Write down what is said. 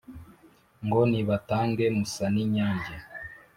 ngo nibatange musaninyange,